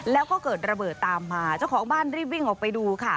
แล้วก็เกิดระเบิดตามมาเจ้าของบ้านรีบวิ่งออกไปดูค่ะ